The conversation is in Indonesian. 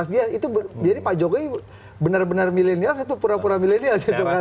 jadi pak jokowi benar benar milenial satu pura pura milenial